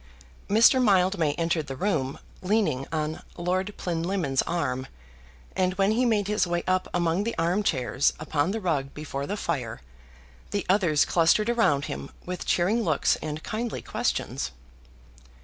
Mr. Mildmay entered the room leaning on Lord Plinlimmon's arm, and when he made his way up among the armchairs upon the rug before the fire, the others clustered around him with cheering looks and kindly questions.